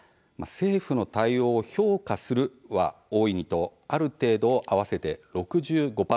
政府の対応を「評価する」は「大いに」と「ある程度」を合わせて６５％。